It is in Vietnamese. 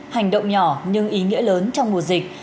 hành động nhỏ nhưng ý nghĩa lớn trong mùa dịch